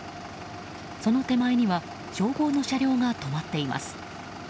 その手前には消防の車両が止まっています。